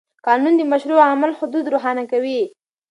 قانون د مشروع عمل حدود روښانه کوي.